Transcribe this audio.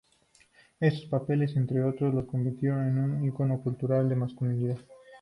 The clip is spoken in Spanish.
Estos papeles, entre otros, lo convirtieron en un icono cultural de masculinidad.